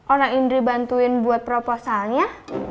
orang indri bantuin buat proposalnya